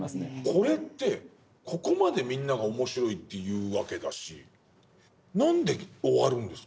これってここまでみんなが面白いというわけだし何で終わるんですか？